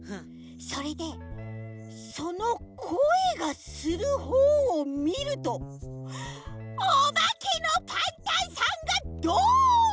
それでそのこえがするほうをみるとおばけのパンタンさんがどん！